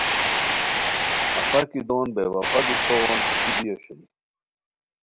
اپاکی دون بے وفا دوستو غون پیڅھی بی اوشونی